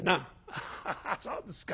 「ハハハそうですか。